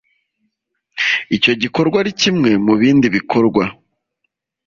icyo gikorwa ari kimwe mu bindi bikorwa